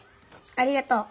ありがとう。